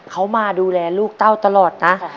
เขามาดูแลลูกเต้าตลอดนะ